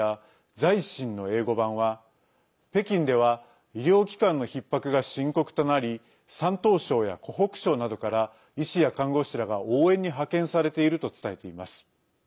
「財新」の英語版は北京では医療機関のひっ迫が深刻となり山東省や湖北省などから医師や看護師らが応援に派遣されていると伝えています。